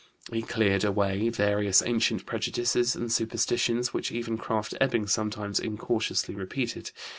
He cleared away various ancient prejudices and superstitions which even Krafft Ebing sometimes incautiously repeated.